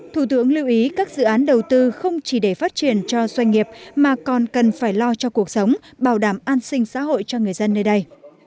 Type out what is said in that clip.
thủ tướng lưu ý các dự án đầu tư không chỉ để phát triển cho doanh nghiệp mà còn cần phải lo cho cuộc sống bảo đảm an sinh xã hội cho người dân nơi đây